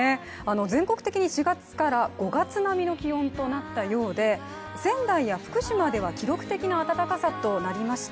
全国的に４月から５月並みの気温となったようで、仙台や福島では記録的な暖かさとなりました。